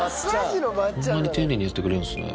こんなに丁寧にやってくれるんですね。